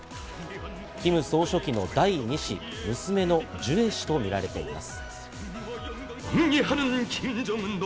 キム総書記の第２子、娘のジュエ氏と見られます。